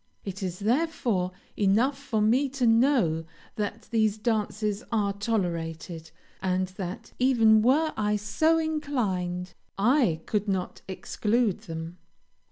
It is, therefore, enough for me to know that these dances are tolerated, and that, even were I so inclined, I could not exclude them.